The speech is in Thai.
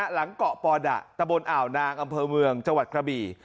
หลังเกาะปอดะตะบนอ่าวนางอำเภอเมืองจังหวัดกระบี่